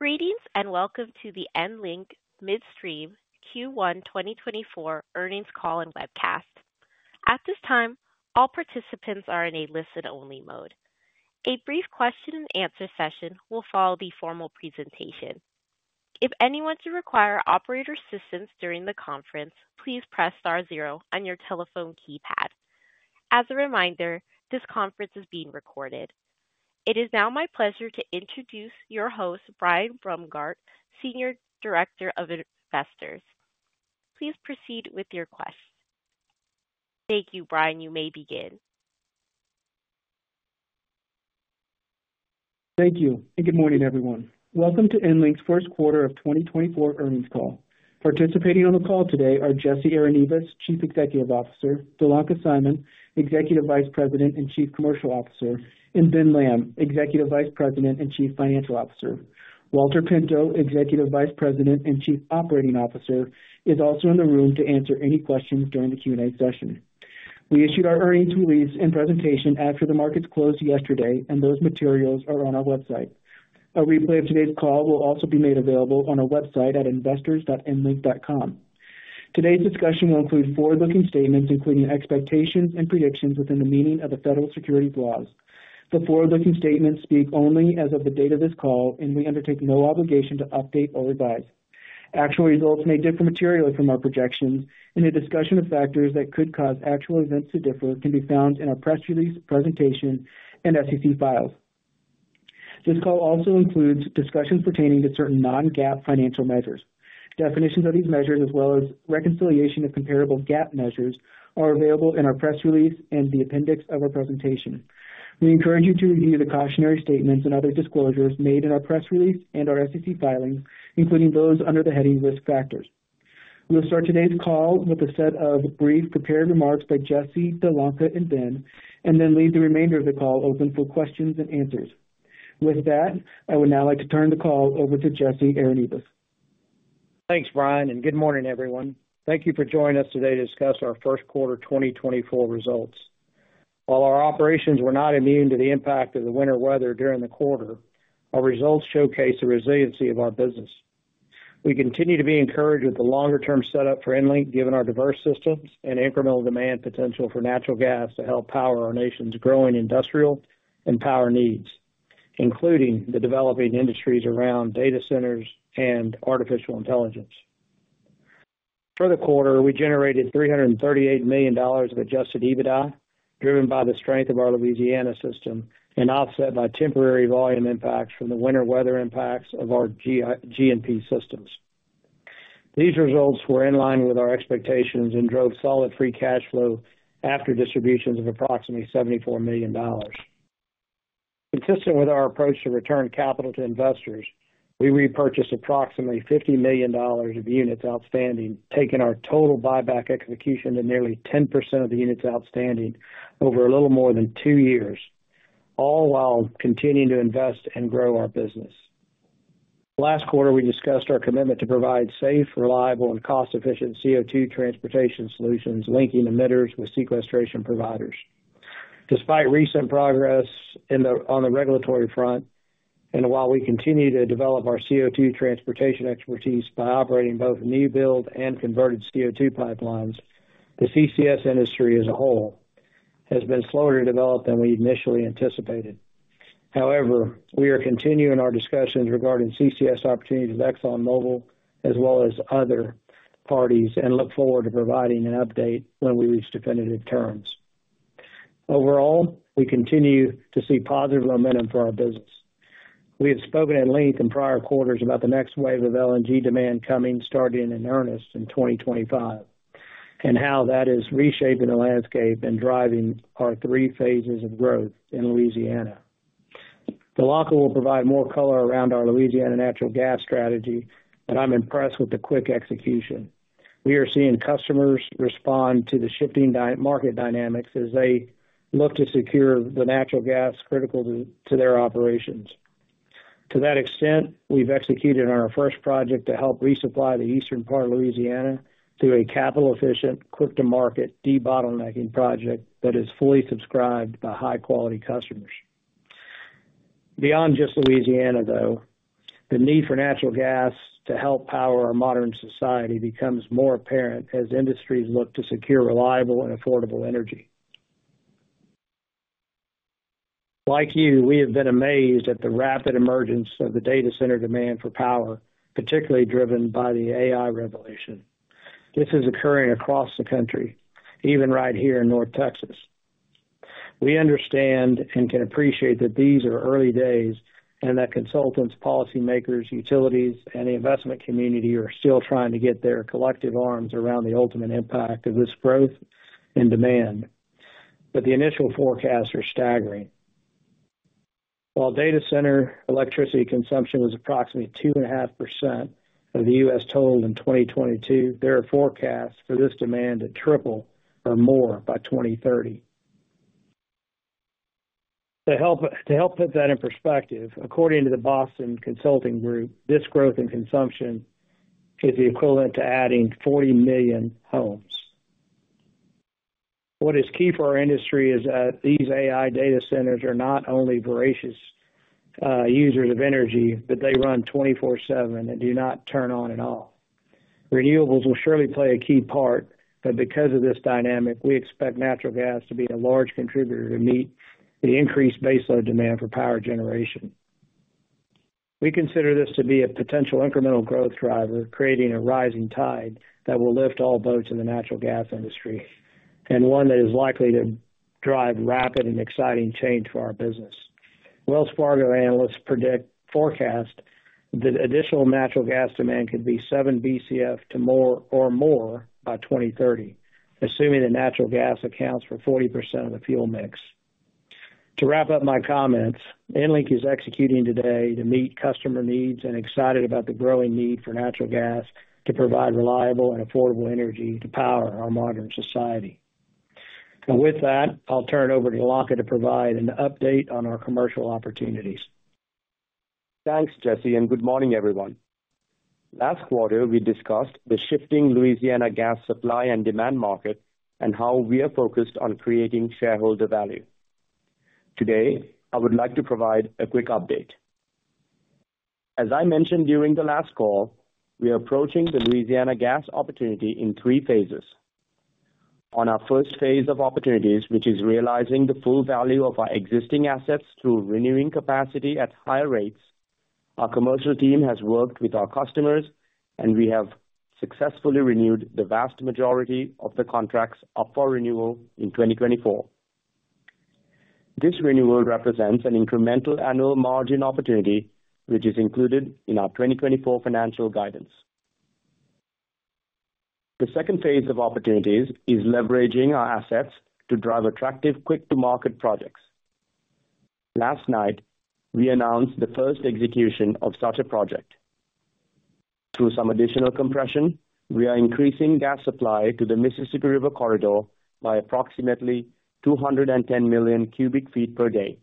Greetings, and welcome to the EnLink Midstream Q1 2024 earnings call and webcast. At this time, all participants are in a listen-only mode. A brief question-and-answer session will follow the formal presentation. If anyone should require operator assistance during the conference, please press star zero on your telephone keypad. As a reminder, this conference is being recorded. It is now my pleasure to introduce your host, Brian Brungardt, Senior Director of Investor Relations. Please proceed with your question. Thank you Brian you may begin. Thank you, and good morning, everyone. Welcome to EnLink's first quarter of 2024 earnings call. Participating on the call today are Jesse Arenivas, Chief Executive Officer, Dilanka Seimon, Executive Vice President and Chief Commercial Officer, and Ben Lamb, Executive Vice President and Chief Financial Officer. Walter Pinto, Executive Vice President and Chief Operating Officer, is also in the room to answer any questions during the Q&A session. We issued our earnings release and presentation after the markets closed yesterday, and those materials are on our website. A replay of today's call will also be made available on our website at investors.enlink.com. Today's discussion will include forward-looking statements, including expectations and predictions within the meaning of the federal securities laws. The forward-looking statements speak only as of the date of this call, and we undertake no obligation to update or revise. Actual results may differ materially from our projections, and a discussion of factors that could cause actual events to differ can be found in our press release, presentation, and SEC filings. This call also includes discussions pertaining to certain non-GAAP financial measures. Definitions of these measures, as well as reconciliation of comparable GAAP measures, are available in our press release and the appendix of our presentation. We encourage you to review the cautionary statements and other disclosures made in our press release and our SEC filings, including those under the heading Risk Factors. We'll start today's call with a set of brief prepared remarks by Jesse, Dilanka, and Ben, and then leave the remainder of the call open for questions and answers. With that, I would now like to turn the call over to Jesse Arenivas. Thanks, Brian, and good morning, everyone. Thank you for joining us today to discuss our first quarter 2024 results. While our operations were not immune to the impact of the winter weather during the quarter, our results showcase the resiliency of our business. We continue to be encouraged with the longer-term setup for EnLink, given our diverse systems and incremental demand potential for natural gas to help power our nation's growing industrial and power needs, including the developing industries around data centers and artificial intelligence. For the quarter, we generated $338 million of adjusted EBITDA, driven by the strength of our Louisiana system and offset by temporary volume impacts from the winter weather impacts on our G&P systems. These results were in line with our expectations and drove solid free cash flow after distributions of approximately $74 million. Consistent with our approach to return capital to investors, we repurchased approximately $50 million of units outstanding, taking our total buyback execution to nearly 10% of the units outstanding over a little more than two years, all while continuing to invest and grow our business. Last quarter, we discussed our commitment to provide safe, reliable, and cost-efficient CO2 transportation solutions, linking emitters with sequestration providers. Despite recent progress on the regulatory front, and while we continue to develop our CO2 transportation expertise by operating both new build and converted CO2 pipelines, the CCS industry as a whole has been slower to develop than we initially anticipated. However, we are continuing our discussions regarding CCS opportunities with ExxonMobil, as well as other parties, and look forward to providing an update when we reach definitive terms. Overall, we continue to see positive momentum for our business. We have spoken at length in prior quarters about the next wave of LNG demand coming, starting in earnest in 2025, and how that is reshaping the landscape and driving our three phases of growth in Louisiana. Dilanka will provide more color around our Louisiana natural gas strategy, and I'm impressed with the quick execution. We are seeing customers respond to the shifting market dynamics as they look to secure the natural gas critical to their operations. To that extent, we've executed on our first project to help resupply the eastern part of Louisiana through a capital-efficient, quick-to-market, de-bottlenecking project that is fully subscribed by high-quality customers. Beyond just Louisiana, though, the need for natural gas to help power our modern society becomes more apparent as industries look to secure, reliable, and affordable energy. Like you, we have been amazed at the rapid emergence of the data center demand for power, particularly driven by the AI revolution. This is occurring across the country, even right here in North Texas. We understand and can appreciate that these are early days and that consultants, policymakers, utilities, and the investment community are still trying to get their collective arms around the ultimate impact of this growth and demand, but the initial forecasts are staggering. While data center electricity consumption was approximately 2.5% of the U.S. total in 2022, there are forecasts for this demand to triple or more by 2030. To help put that in perspective, according to the Boston Consulting Group, this growth in consumption is the equivalent to adding 40 million homes... What is key for our industry is that these AI data centers are not only voracious users of energy, but they run 24/7 and do not turn on and off. Renewables will surely play a key part, but because of this dynamic, we expect natural gas to be a large contributor to meet the increased baseload demand for power generation. We consider this to be a potential incremental growth driver, creating a rising tide that will lift all boats in the natural gas industry, and one that is likely to drive rapid and exciting change for our business. Wells Fargo analysts forecast that additional natural gas demand could be 7 BCF or more by 2030, assuming that natural gas accounts for 40% of the fuel mix. To wrap up my comments, EnLink is executing today to meet customer needs and excited about the growing need for natural gas to provide reliable and affordable energy to power our modern society. With that, I'll turn it over to Dilanka to provide an update on our commercial opportunities. Thanks, Jesse, and good morning, everyone. Last quarter, we discussed the shifting Louisiana gas supply and demand market and how we are focused on creating shareholder value. Today, I would like to provide a quick update. As I mentioned during the last call, we are approaching the Louisiana gas opportunity in three phases. On our first phase of opportunities, which is realizing the full value of our existing assets through renewing capacity at higher rates, our commercial team has worked with our customers, and we have successfully renewed the vast majority of the contracts up for renewal in 2024. This renewal represents an incremental annual margin opportunity, which is included in our 2024 financial guidance. The second phase of opportunities is leveraging our assets to drive attractive, quick-to-market projects. Last night, we announced the first execution of such a project. Through some additional compression, we are increasing gas supply to the Mississippi River Corridor by approximately 210 million cu ft per day.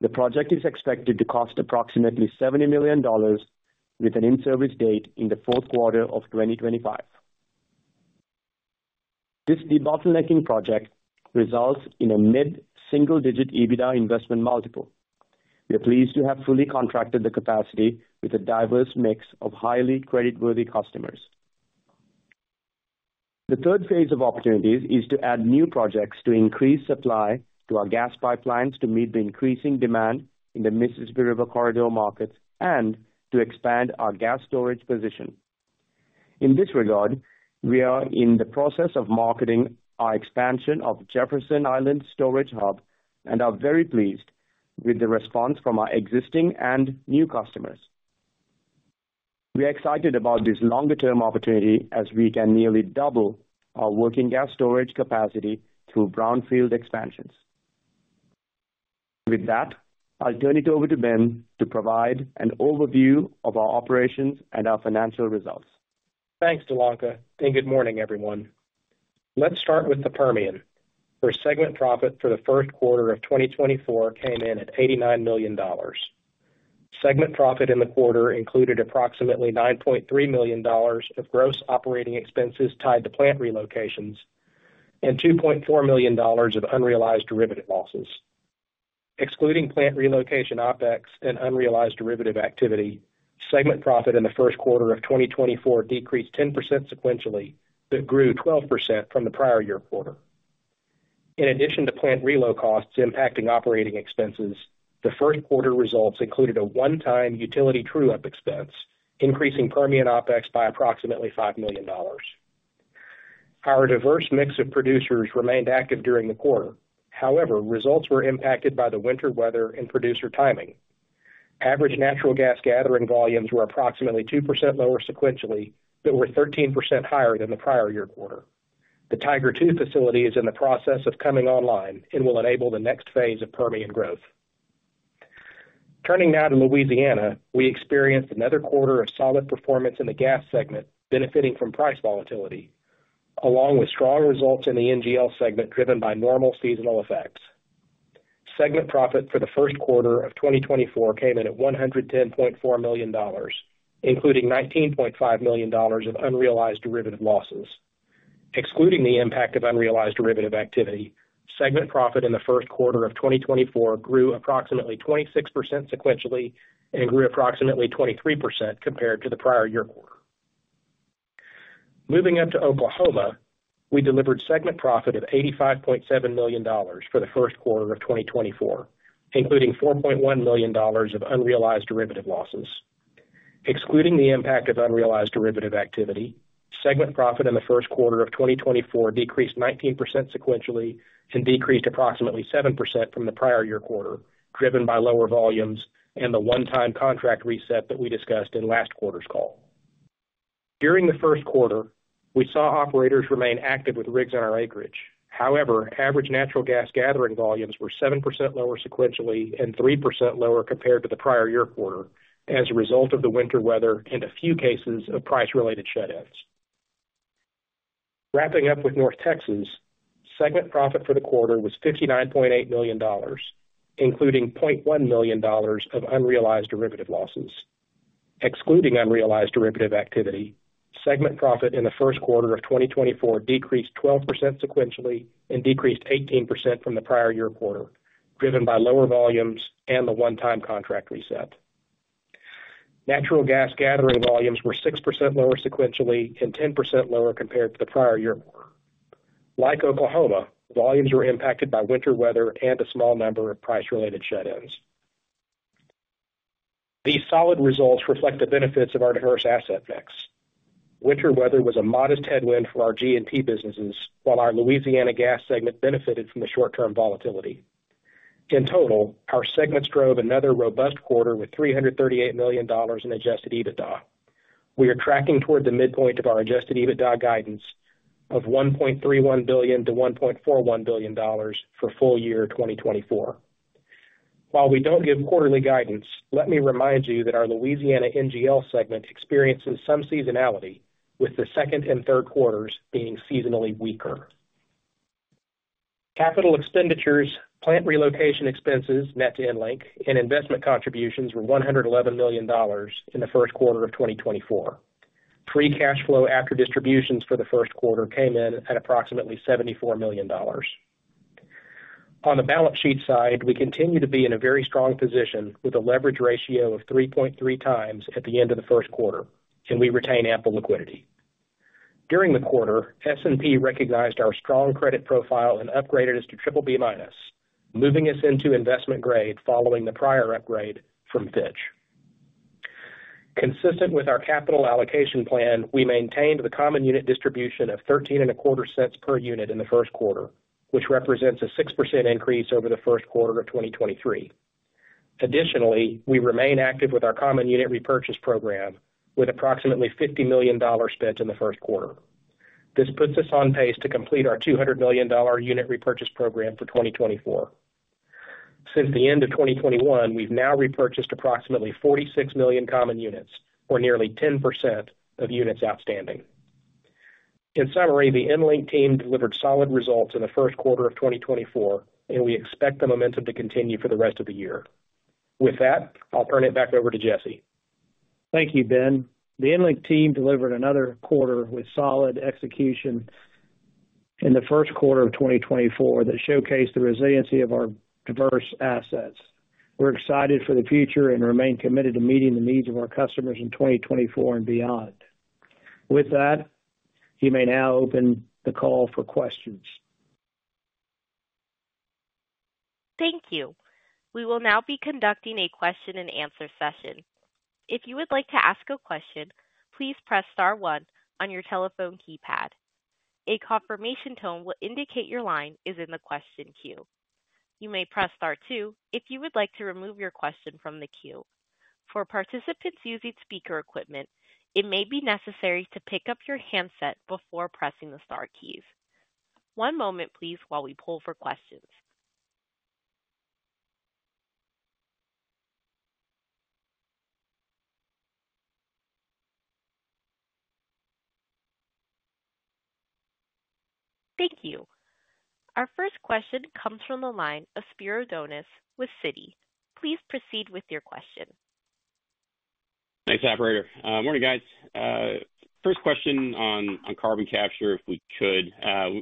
The project is expected to cost approximately $70 million, with an in-service date in the fourth quarter of 2025. This debottlenecking project results in a mid-single-digit EBITDA investment multiple. We are pleased to have fully contracted the capacity with a diverse mix of highly creditworthy customers. The third phase of opportunities is to add new projects to increase supply to our gas pipelines to meet the increasing demand in the Mississippi River Corridor markets and to expand our gas storage position. In this regard, we are in the process of marketing our expansion of Jefferson Island Storage Hub and are very pleased with the response from our existing and new customers. We are excited about this longer-term opportunity, as we can nearly double our working gas storage capacity through brownfield expansions. With that, I'll turn it over to Ben to provide an overview of our operations and our financial results. Thanks, Dilanka, and good morning, everyone. Let's start with the Permian, where segment profit for the first quarter of 2024 came in at $89 million. Segment profit in the quarter included approximately $9.3 million of gross operating expenses tied to plant relocations and $2.4 million of unrealized derivative losses. Excluding plant relocation OpEx and unrealized derivative activity, segment profit in the first quarter of 2024 decreased 10% sequentially, but grew 12% from the prior year quarter. In addition to plant reload costs impacting operating expenses, the first quarter results included a one-time utility true-up expense, increasing Permian OpEx by approximately $5 million. Our diverse mix of producers remained active during the quarter. However, results were impacted by the winter weather and producer timing. Average natural gas gathering volumes were approximately 2% lower sequentially, but were 13% higher than the prior year quarter. The Tiger II facility is in the process of coming online and will enable the next phase of Permian growth. Turning now to Louisiana, we experienced another quarter of solid performance in the gas segment, benefiting from price volatility, along with strong results in the NGL segment, driven by normal seasonal effects. Segment profit for the first quarter of 2024 came in at $110.4 million, including $19.5 million of unrealized derivative losses. Excluding the impact of unrealized derivative activity, segment profit in the first quarter of 2024 grew approximately 26% sequentially and grew approximately 23% compared to the prior year quarter. Moving up to Oklahoma, we delivered segment profit of $85.7 million for the first quarter of 2024, including $4.1 million of unrealized derivative losses. Excluding the impact of unrealized derivative activity, segment profit in the first quarter of 2024 decreased 19% sequentially and decreased approximately 7% from the prior year quarter, driven by lower volumes and the one-time contract reset that we discussed in last quarter's call. During the first quarter, we saw operators remain active with rigs on our acreage. However, average natural gas gathering volumes were 7% lower sequentially and 3% lower compared to the prior year quarter as a result of the winter weather and a few cases of price-related shut-ins. Wrapping up with North Texas, segment profit for the quarter was $59.8 million, including $0.1 million of unrealized derivative losses, excluding unrealized derivative activity, segment profit in the first quarter of 2024 decreased 12% sequentially and decreased 18% from the prior year quarter, driven by lower volumes and the one-time contract reset. Natural gas gathering volumes were 6% lower sequentially and 10% lower compared to the prior year. Like Oklahoma, volumes were impacted by winter weather and a small number of price-related shut-ins. These solid results reflect the benefits of our diverse asset mix. Winter weather was a modest headwind for our G&P businesses, while our Louisiana gas segment benefited from the short-term volatility. In total, our segments drove another robust quarter with $338 million in adjusted EBITDA. We are tracking toward the midpoint of our adjusted EBITDA guidance of $1.31 billion-$1.41 billion for full year 2024. While we don't give quarterly guidance, let me remind you that our Louisiana NGL segment experiences some seasonality, with the second and third quarters being seasonally weaker. Capital expenditures, plant relocation expenses, net to EnLink, and investment contributions were $111 million in the first quarter of 2024. Free cash flow after distributions for the first quarter came in at approximately $74 million. On the balance sheet side, we continue to be in a very strong position with a leverage ratio of 3.3 times at the end of the first quarter, and we retain ample liquidity. During the quarter, S&P recognized our strong credit profile and upgraded us to BBB-, moving us into investment grade following the prior upgrade from Fitch. Consistent with our capital allocation plan, we maintained the common unit distribution of $0.1325 per unit in the first quarter, which represents a 6% increase over the first quarter of 2023. Additionally, we remain active with our common unit repurchase program, with approximately $50 million spent in the first quarter. This puts us on pace to complete our $200 million unit repurchase program for 2024. Since the end of 2021, we've now repurchased approximately 46 million common units, or nearly 10% of units outstanding. In summary, the EnLink team delivered solid results in the first quarter of 2024, and we expect the momentum to continue for the rest of the year. With that, I'll turn it back over to Jesse. Thank you, Ben. The EnLink team delivered another quarter with solid execution in the first quarter of 2024 that showcased the resiliency of our diverse assets. We're excited for the future and remain committed to meeting the needs of our customers in 2024 and beyond. With that, you may now open the call for questions. Thank you. We will now be conducting a question-and-answer session. If you would like to ask a question, please press star one on your telephone keypad. A confirmation tone will indicate your line is in the question queue. You may press star two if you would like to remove your question from the queue. For participants using speaker equipment, it may be necessary to pick up your handset before pressing the star keys. One moment, please, while we pull for questions. Thank you. Our first question comes from the line of Spiro Dounis with Citi please proceed with your question. Thanks operator morning guys. First question on carbon capture, if we could.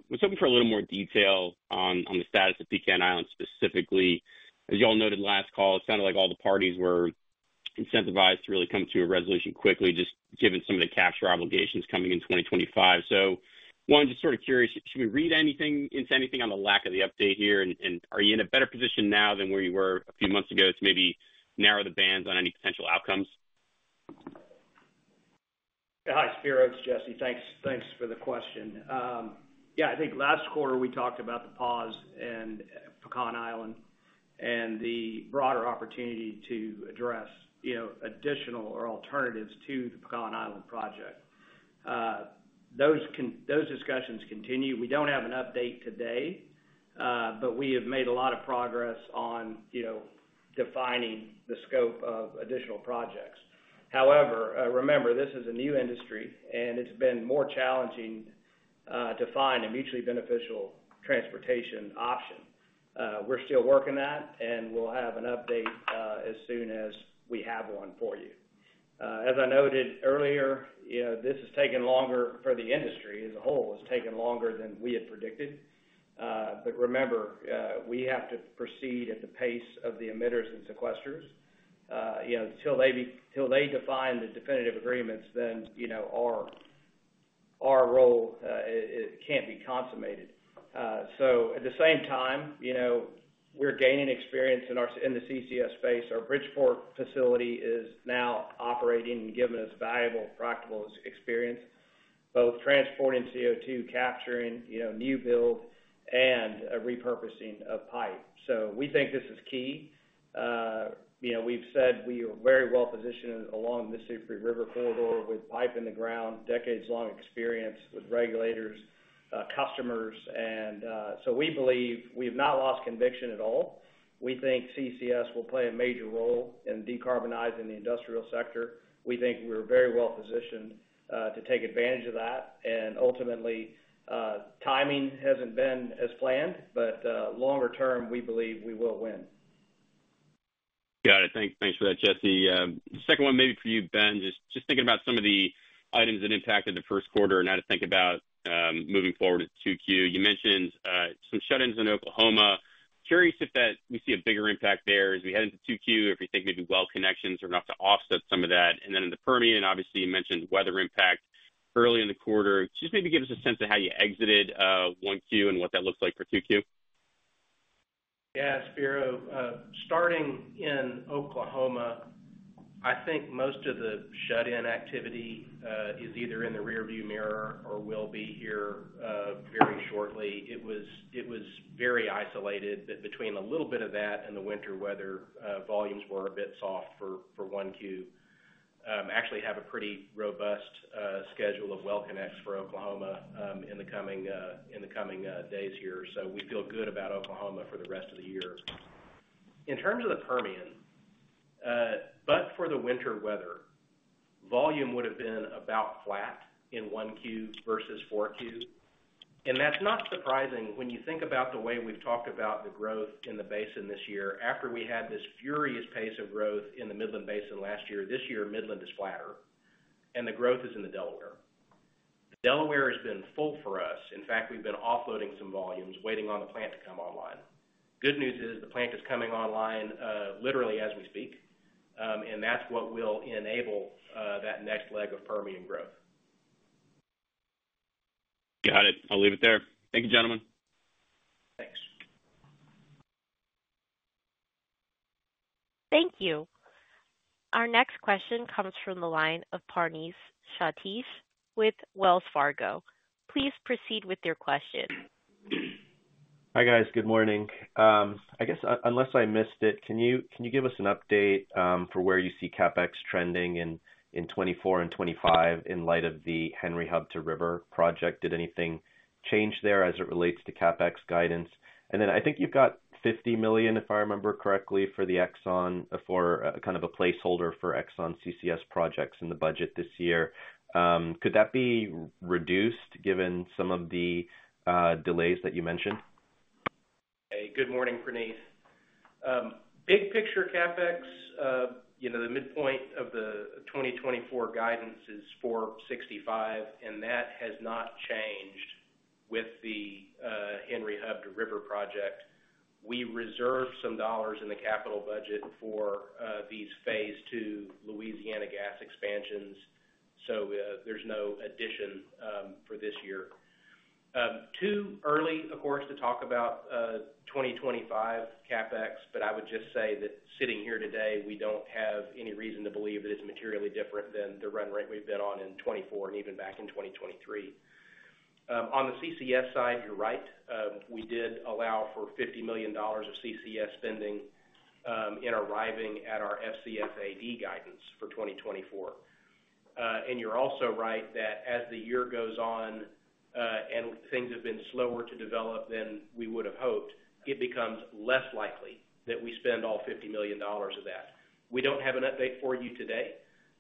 Was hoping for a little more detail on the status of Pecan Island, specifically. As you all noted last call, it sounded like all the parties were incentivized to really come to a resolution quickly, just given some of the capture obligations coming in 2025. So one, just sort of curious, should we read anything into anything on the lack of the update here? And, are you in a better position now than where you were a few months ago to maybe narrow the bands on any potential outcomes? Hi Spiro it's Jesse. Thanks, thanks for the question. Yeah, I think last quarter we talked about the pause and Pecan Island and the broader opportunity to address, you know, additional or alternatives to the Pecan Island project. Those discussions continue. We don't have an update today, but we have made a lot of progress on, you know, defining the scope of additional projects. However, remember, this is a new industry, and it's been more challenging to find a mutually beneficial transportation option. We're still working that, and we'll have an update as soon as we have one for you. As I noted earlier, you know, this has taken longer for the industry as a whole, it's taken longer than we had predicted. But remember, we have to proceed at the pace of the emitters and sequesters. You know, till they define the definitive agreements, then, you know, our role, it can't be consummated. So at the same time, you know, we're gaining experience in the CCS space. Our Bridgeport facility is now operating and giving us valuable, practical experience, both transporting CO2, capturing, you know, new build and repurposing of pipe. So we think this is key. You know, we've said we are very well positioned along the Mississippi River corridor with pipe in the ground, decades-long experience with regulators, customers, and so we believe we've not lost conviction at all. We think CCS will play a major role in decarbonizing the industrial sector. We think we're very well positioned to take advantage of that, and ultimately, timing hasn't been as planned, but longer term, we believe we will win.... Got it. Thanks for that, Jesse. The second one, maybe for you, Ben, just thinking about some of the items that impacted the first quarter and how to think about moving forward at 2Q. You mentioned some shut-ins in Oklahoma. Curious if that we see a bigger impact there as we head into 2Q, or if you think maybe well connections are enough to offset some of that. And then in the Permian, obviously, you mentioned weather impact early in the quarter. Just maybe give us a sense of how you exited 1Q and what that looks like for 2Q. Yeah, Spiro, starting in Oklahoma, I think most of the shut-in activity is either in the rearview mirror or will be here very shortly. It was, it was very isolated, that between a little bit of that and the winter weather, volumes were a bit soft for 1Q. Actually have a pretty robust schedule of well connects for Oklahoma in the coming days here. So we feel good about Oklahoma for the rest of the year. In terms of the Permian, but for the winter weather, volume would have been about flat in 1Q versus 4Q. And that's not surprising when you think about the way we've talked about the growth in the basin this year. After we had this furious pace of growth in the Midland Basin last year, this year, Midland is flatter, and the growth is in the Delaware. Delaware has been full for us. In fact, we've been offloading some volumes, waiting on the plant to come online. Good news is, the plant is coming online, literally as we speak, and that's what will enable, that next leg of Permian growth. Got it. I'll leave it there. Thank you, gentlemen. Thanks. Thank you. Our next question comes from the line of Praneeth Satish with Wells Fargo. Please proceed with your question. Hi, guys. Good morning. I guess, unless I missed it, can you give us an update for where you see CapEx trending in 2024 and 2025, in light of the Henry Hub to River project? Did anything change there as it relates to CapEx guidance? And then I think you've got $50 million, if I remember correctly, for the Exxon, for kind of a placeholder for Exxon CCS projects in the budget this year. Could that be reduced given some of the delays that you mentioned? Hey, good morning, Praneeth. Big picture CapEx, you know, the midpoint of the 2024 guidance is $465, and that has not changed with the Henry Hub to River project. We reserved some dollars in the capital budget for these phase two Louisiana gas expansions, so there's no addition for this year. Too early, of course, to talk about 2025 CapEx, but I would just say that sitting here today, we don't have any reason to believe that it's materially different than the run rate we've been on in 2024 and even back in 2023. On the CCS side, you're right. We did allow for $50 million of CCS spending in arriving at our FCFAD guidance for 2024. You're also right that as the year goes on, and things have been slower to develop than we would have hoped, it becomes less likely that we spend all $50 million of that. We don't have an update for you today,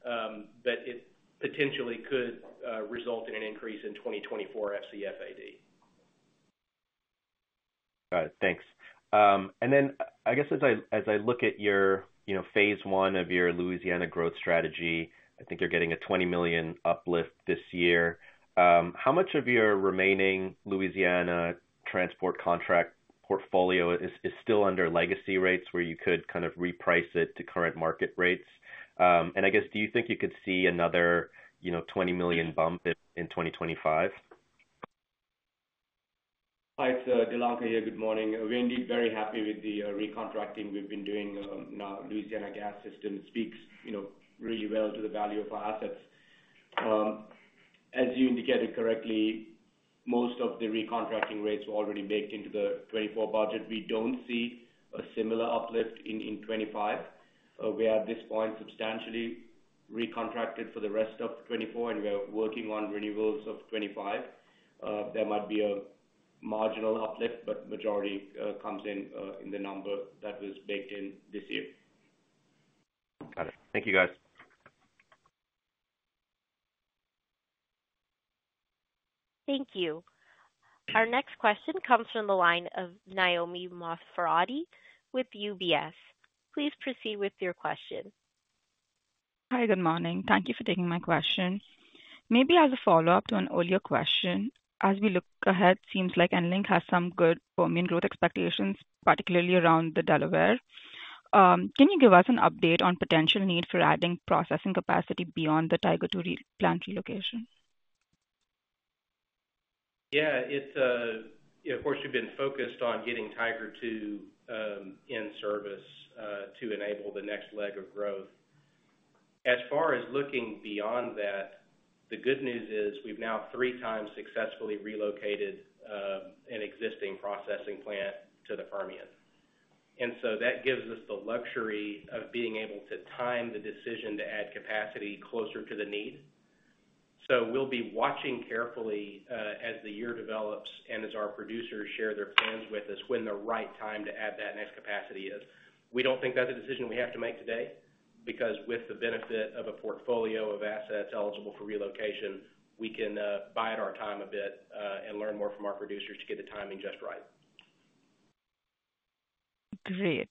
but it potentially could result in an increase in 2024 FCFAD. Got it thanks. And then I guess as I look at your, you know, phase one of your Louisiana growth strategy, I think you're getting a $20 million uplift this year. How much of your remaining Louisiana transport contract portfolio is still under legacy rates, where you could kind of reprice it to current market rates? And I guess, do you think you could see another, you know, $20 million bump in 2025? Hi, it's Dilanka here. Good morning. We're indeed very happy with the recontracting we've been doing now. Louisiana gas system speaks, you know, really well to the value of our assets. As you indicated correctly, most of the recontracting rates were already baked into the 2024 budget. We don't see a similar uplift in 2025. We are, at this point, substantially recontracted for the rest of 2024, and we are working on renewals of 2025. There might be a marginal uplift, but majority comes in the number that was baked in this year. Got it. Thank you, guys. Thank you. Our next question comes from the line of Naomi Mascarenhas with UBS. Please proceed with your question. Hi, good morning. Thank you for taking my question. Maybe as a follow-up to an earlier question, as we look ahead, seems like EnLink has some good Permian growth expectations, particularly around the Delaware. Can you give us an update on potential need for adding processing capacity beyond the Tiger II plant relocation? Yeah. Of course, we've been focused on getting Tiger II in service to enable the next leg of growth. As far as looking beyond that, the good news is, we've now three times successfully relocated an existing processing plant to the Permian. And so that gives us the luxury of being able to time the decision to add capacity closer to the need. So we'll be watching carefully, as the year develops and as our producers share their plans with us, when the right time to add that next capacity is. We don't think that's a decision we have to make today... because with the benefit of a portfolio of assets eligible for relocation, we can, bide our time a bit, and learn more from our producers to get the timing just right. Grea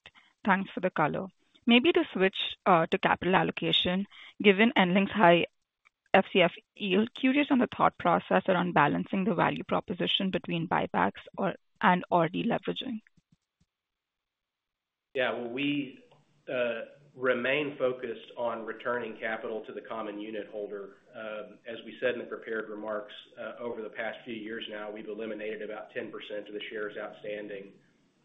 thanks for the color. Maybe to switch to capital allocation, given EnLink's high FCF yield, curious on the thought process around balancing the value proposition between buybacks and/or deleveraging? Yeah, we remain focused on returning capital to the common unit holder. As we said in the prepared remarks, over the past few years now, we've eliminated about 10% of the shares outstanding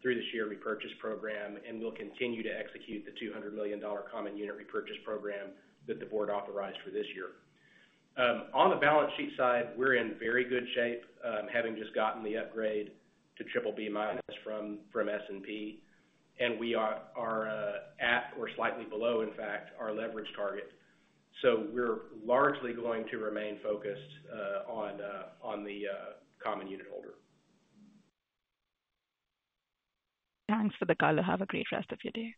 through the share repurchase program, and we'll continue to execute the $200 million common unit repurchase program that the board authorized for this year. On the balance sheet side, we're in very good shape, having just gotten the upgrade to BBB- from S&P, and we are at or slightly below, in fact, our leverage target. So we're largely going to remain focused on the common unit holder. Thanks for the color have a great rest of your day.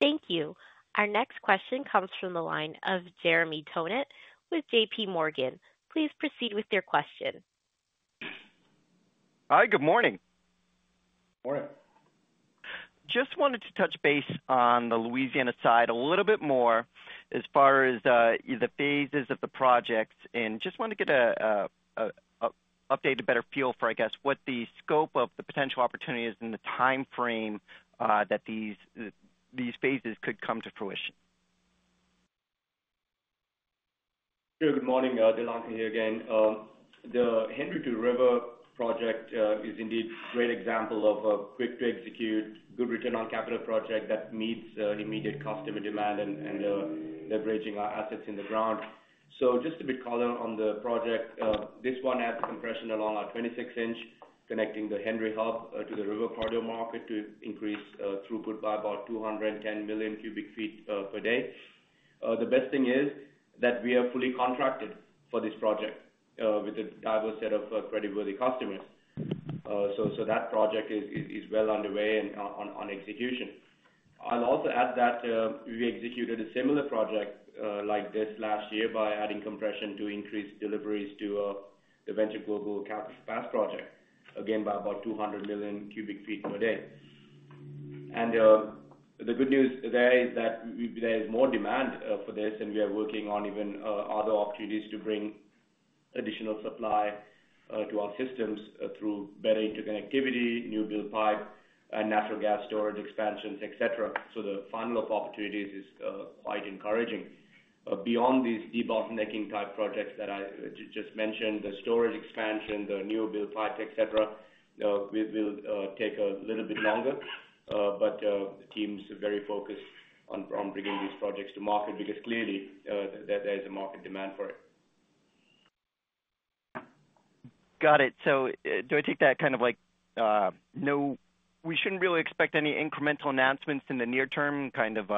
Thanks. Thank you. Our next question comes from the line of Jeremy Tonet with J.P. Morgan. Please proceed with your question. Hi, good morning. Morning. Just wanted to touch base on the Louisiana side a little bit more as far as the phases of the projects, and just want to get an update, a better feel for, I guess, what the scope of the potential opportunities and the timeframe that these phases could come to fruition. Sure good morning Dilanka here again. The Henry Hub to River Parish project is indeed a great example of a quick to execute, good return on capital project that meets immediate customer demand and leveraging our assets in the ground. So just a bit color on the project. This one adds compression along our 26-inch, connecting the Henry Hub to the River Parish market to increase throughput by about 210 million cu ft per day. The best thing is that we are fully contracted for this project with a diverse set of credible customers. So that project is well underway and on execution. I'll also add that, we executed a similar project, like this last year by adding compression to increase deliveries to, the Venture Global Calcasieu Pass project, again, by about 200 million cu ft per day. And, the good news there is that there is more demand, for this, and we are working on even, other opportunities to bring additional supply, to our systems, through better interconnectivity, new build pipe, and natural gas storage expansions, et cetera. So the funnel of opportunities is, quite encouraging. Beyond these debottlenecking type projects that I just mentioned, the storage expansion, the new build pipe, et cetera, will take a little bit longer, but, the team's very focused on, bringing these projects to market because clearly, there is a market demand for it. Got it so do I take that kind of like, no, we shouldn't really expect any incremental announcements in the near term, kind of,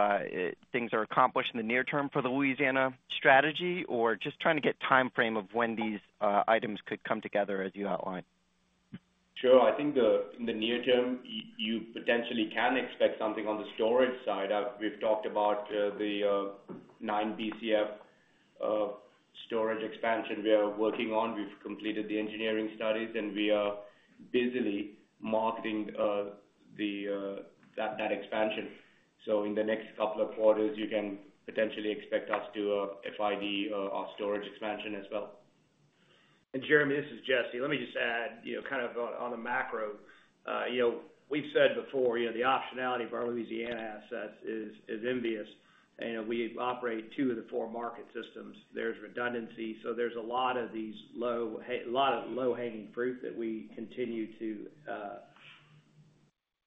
things are accomplished in the near term for the Louisiana strategy? Or just trying to get timeframe of when these items could come together as you outlined. Sure. I think in the near term, you potentially can expect something on the storage side. We've talked about the 9 BCF storage expansion we are working on. We've completed the engineering studies, and we are busily marketing that expansion. So in the next couple of quarters, you can potentially expect us to FID our storage expansion as well. Jeremy, this is Jesse. Let me just add, you know, kind of on a macro, you know, we've said before, you know, the optionality of our Louisiana assets is envious, and we operate two of the four market systems. There's redundancy, so there's a lot of low-hanging fruit that we continue to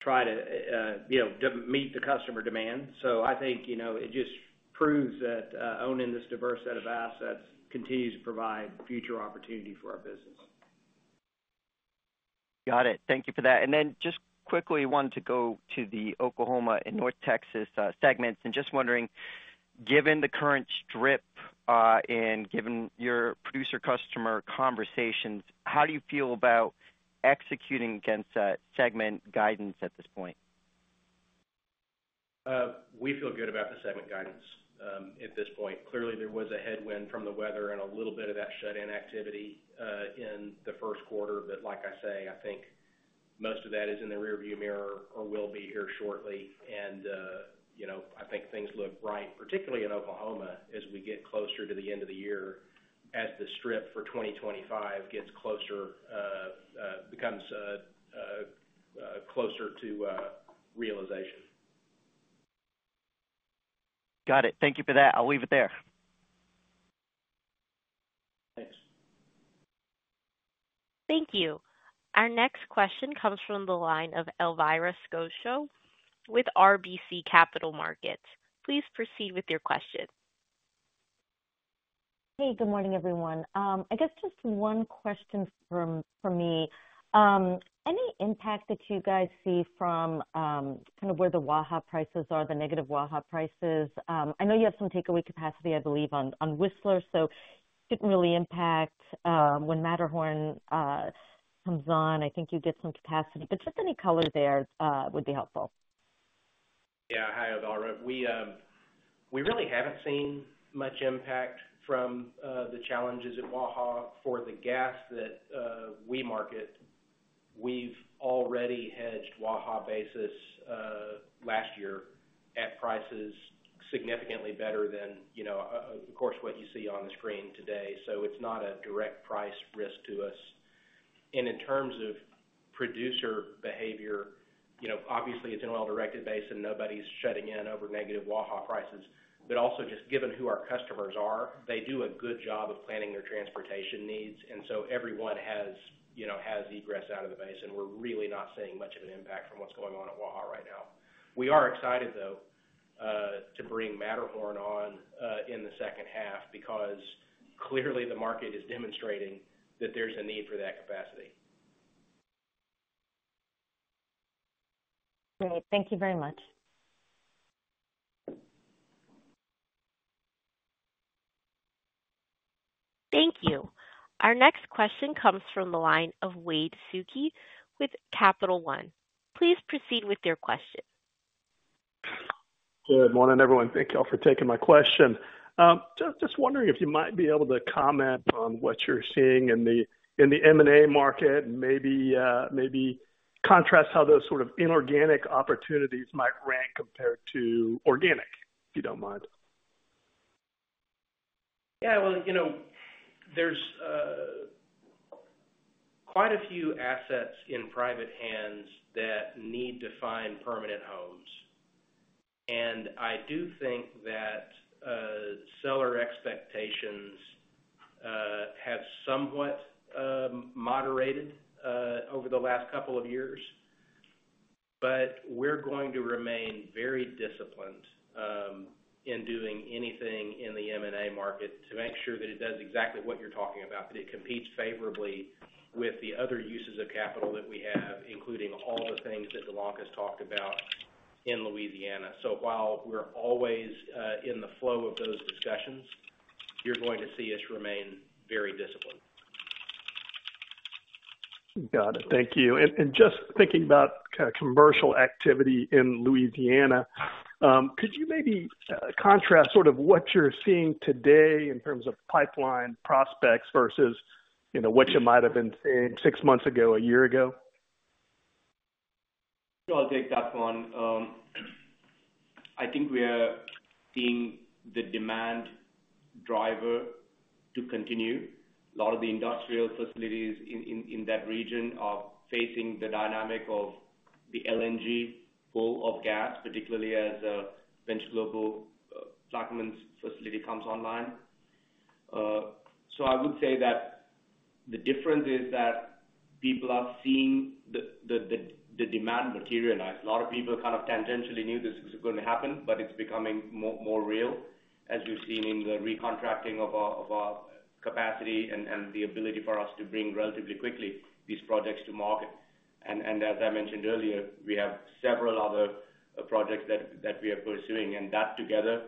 try to, you know, to meet the customer demand. So I think, you know, it just proves that owning this diverse set of assets continues to provide future opportunity for our business. Got it. Thank you for that. And then just quickly wanted to go to the Oklahoma and North Texas segments, and just wondering, given the current strip, and given your producer-customer conversations, how do you feel about executing against that segment guidance at this point? We feel good about the segment guidance at this point. Clearly, there was a headwind from the weather and a little bit of that shut-in activity in the first quarter. But like I say, I think most of that is in the rearview mirror or will be here shortly, and, you know, I think things look bright, particularly in Oklahoma, as we get closer to the end of the year, as the strip for 2025 gets closer, closer to realization. Got it. Thank you for that. I'll leave it there. Thanks. Thank you. Our next question comes from the line of Elvira Scotto with RBC Capital Markets. Please proceed with your question. Hey, good morning, everyone. I guess just one question for me. Any impact that you guys see from kind of where the Waha prices are, the negative Waha prices? I know you have some takeaway capacity, I believe, on Whistler, so any-... shouldn't really impact when Matterhorn comes on. I think you get some capacity, but just any color there would be helpful. Yeah hi Elvira. We, we really haven't seen much impact from the challenges at Waha for the gas that we market. We've already hedged Waha basis last year at prices significantly better than, you know, of course, what you see on the screen today. So it's not a direct price risk to us. And in terms of producer behavior, you know, obviously, it's a well-directed basin. Nobody's shutting in over negative Waha prices. But also just given who our customers are, they do a good job of planning their transportation needs, and so everyone has, you know, has egress out of the basin. We're really not seeing much of an impact from what's going on at Waha right now. We are excited, though, to bring Matterhorn on in the second half, because clearly the market is demonstrating that there's a need for that capacity. Great. Thank you very much. Thank you. Our next question comes from the line of Wade Suki with Capital One. Please proceed with your question. Good morning, everyone. Thank you all for taking my question. Just wondering if you might be able to comment on what you're seeing in the M&A market, and maybe, maybe contrast how those sort of inorganic opportunities might rank compared to organic, if you don't mind. Yeah, well, you know, there's quite a few assets in private hands that need to find permanent homes. And I do think that seller expectations have somewhat moderated over the last couple of years. But we're going to remain very disciplined in doing anything in the M&A market to make sure that it does exactly what you're talking about, that it competes favorably with the other uses of capital that we have, including all the things that Dilanka has talked about in Louisiana. So while we're always in the flow of those discussions, you're going to see us remain very disciplined. Got it thank you. And just thinking about kind of commercial activity in Louisiana, could you maybe contrast sort of what you're seeing today in terms of pipeline prospects versus, you know, what you might have been seeing six months ago, a year ago? Sure, I'll take that one. I think we are seeing the demand driver to continue. A lot of the industrial facilities in that region are facing the dynamic of the LNG pull of gas, particularly as Venture Global's Plaquemines facility comes online. So I would say that the difference is that people are seeing the demand materialize. A lot of people kind of tangentially knew this was going to happen, but it's becoming more real, as you've seen in the recontracting of our capacity and the ability for us to bring relatively quickly these projects to market. As I mentioned earlier, we have several other projects that we are pursuing, and that, together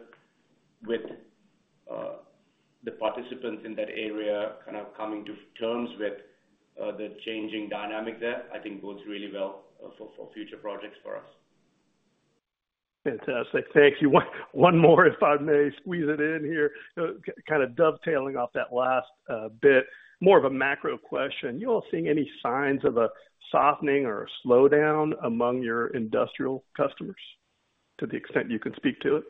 with the participants in that area kind of coming to terms with the changing dynamic there, I think bodes really well for future projects for us. Fantastic thank you. One more, if I may squeeze it in here. Kind of dovetailing off that last bit, more of a macro question. You all seeing any signs of a softening or a slowdown among your industrial customers, to the extent you can speak to it?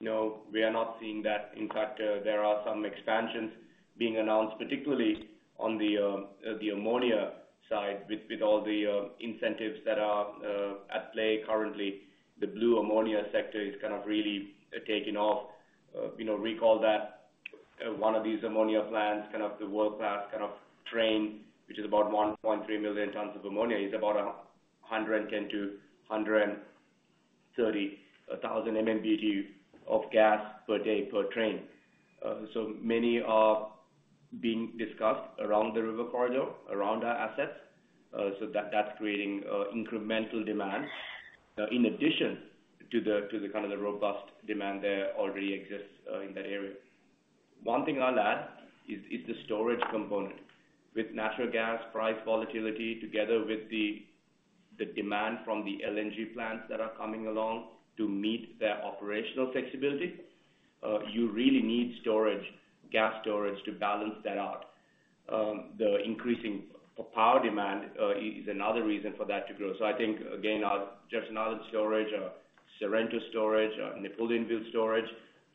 No, we are not seeing that. In fact, there are some expansions being announced, particularly on the, the ammonia side, with, with all the, incentives that are, at play currently. The blue ammonia sector is kind of really taking off. You know, recall that, one of these ammonia plants, kind of the world-class kind of train, which is about 1.3 million tons of ammonia, is about 110,000-130,000 MMBtu of gas per day per train. So many are being discussed around the river corridor, around our assets. So that's creating, incremental demand, in addition to the, to the kind of the robust demand that already exists, in that area. One thing I'll add is, the storage component. With natural gas price volatility, together with the demand from the LNG plants that are coming along to meet their operational flexibility, you really need storage, gas storage, to balance that out. The increasing power demand is another reason for that to grow. So I think, again, our Jefferson Island storage, our Sorrento storage, our Napoleonville storage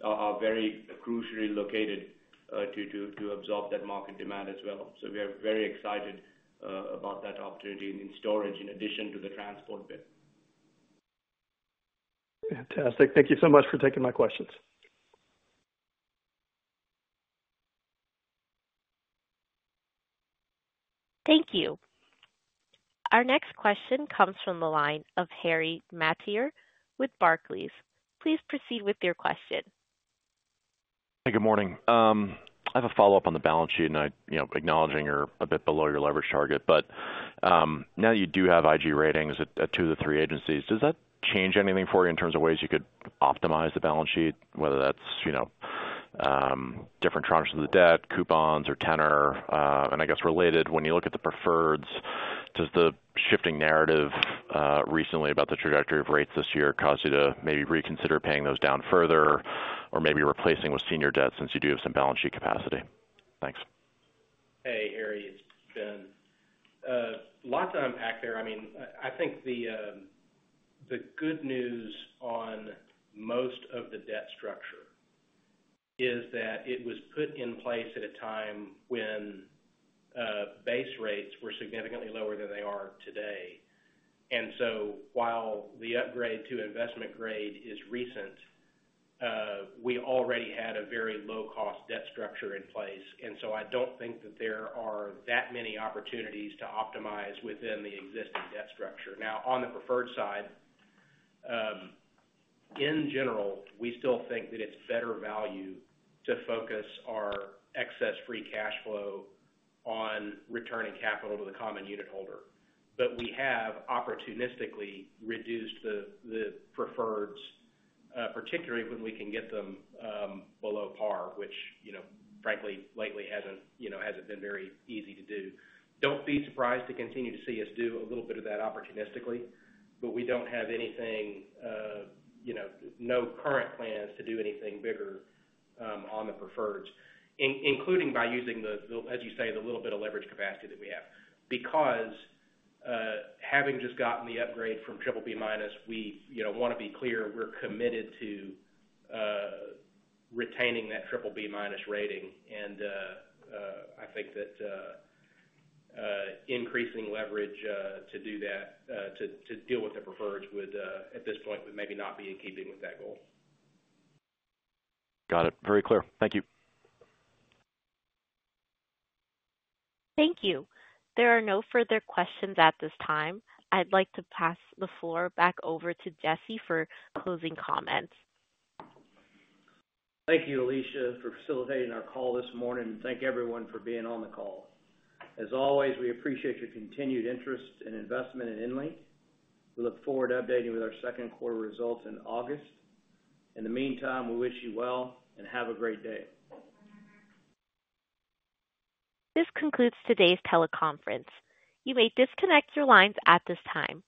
are very crucially located to absorb that market demand as well. So we are very excited about that opportunity in storage in addition to the transport bit. Fantastic. Thank you so much for taking my questions. Thank you. Our next question comes from the line of Harry Mateer with Barclays. Please proceed with your question. Hey, good morning. I have a follow-up on the balance sheet, and you know, acknowledging you're a bit below your leverage target, but, now you do have IG ratings at two of the three agencies. Does that change anything for you in terms of ways you could optimize the balance sheet, whether that's, you know, different tranches of the debt, coupons or tenor? And I guess related, when you look at the preferreds, does the shifting narrative recently about the trajectory of rates this year cause you to maybe reconsider paying those down further or maybe replacing with senior debt since you do have some balance sheet capacity? Thanks. Hey, Harry, it's Ben. Lots to unpack there. I mean, I think the good news on most of the debt structure is that it was put in place at a time when base rates were significantly lower than they are today. And so while the upgrade to investment grade is recent, we already had a very low-cost debt structure in place, and so I don't think that there are that many opportunities to optimize within the existing debt structure. Now, on the preferred side, in general, we still think that it's better value to focus our excess free cash flow on returning capital to the common unitholder. But we have opportunistically reduced the preferreds, particularly when we can get them below par, which, you know, frankly, lately hasn't, you know, hasn't been very easy to do. Don't be surprised to continue to see us do a little bit of that opportunistically, but we don't have anything, you know, no current plans to do anything bigger, on the preferreds, including by using the, as you say, the little bit of leverage capacity that we have. Because, having just gotten the upgrade from BBB-, we, you know, want to be clear, we're committed to retaining that BBB- rating. And, I think that increasing leverage to do that, to deal with the preferreds would, at this point, would maybe not be in keeping with that goal. Got it very clear thank you. Thank you. There are no further questions at this time. I'd like to pass the floor back over to Jesse for closing comments. Thank you, Alaina, for facilitating our call this morning, and thank everyone for being on the call. As always, we appreciate your continued interest and investment in EnLink. We look forward to updating you with our second quarter results in August. In the meantime, we wish you well, and have a great day. This concludes today's teleconference. You may disconnect your lines at this time.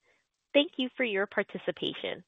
Thank you for your participation.